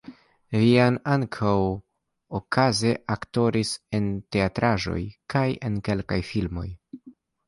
Vian ankaŭ okaze aktoris en teatraĵoj kaj en kelkaj filmoj.